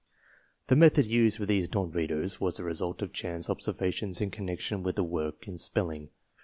The method used with these non readers was the result of chance observations in connection with the work in spelling.